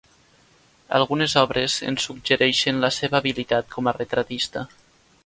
Algunes obres ens suggereixen la seva habilitat com a retratista.